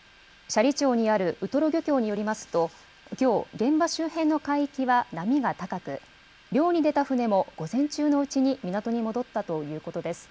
斜里町にあるウトロ漁協によりますと、きょう、現場周辺の海域は波が高く、漁に出た船も、午前中のうちに港に戻ったということです。